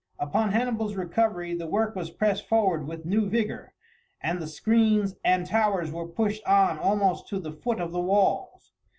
Upon Hannibal's recovery the work was pressed forward with new vigour, and the screens and towers were pushed on almost to the foot of the walls.